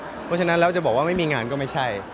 เพราะฉะนั้นแล้วจะบอกว่าไม่มีงานก็ไม่ใช่